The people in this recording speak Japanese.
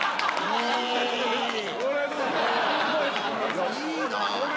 いやいいなぁ。